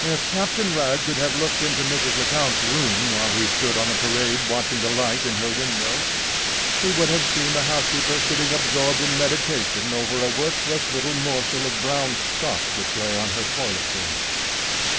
If Captain Wragge could have looked into Mrs. Lecount's room while he stood on the Parade watching the light in her window, he would have seen the housekeeper sitting absorbed in meditation over a worthless little morsel of brown stuff which lay on her toilet table.